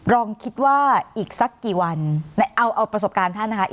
ลองคิดว่าอีกสักกี่วันเอาประสบการณ์ท่านนะคะ